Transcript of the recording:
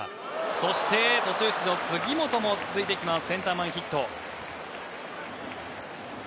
そして、途中出場の杉本も続いてセンター前ヒット。